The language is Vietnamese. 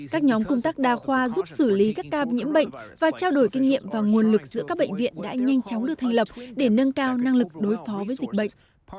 các nhóm công tác đa khoa giúp xử lý các ca nhiễm bệnh và trao đổi kinh nghiệm và nguồn lực giữa các bệnh viện đã nhanh chóng được thành lập để nâng cao năng lực đối phó với dịch bệnh